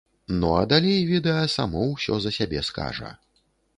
Ну, а далей відэа само ўсё за сябе скажа.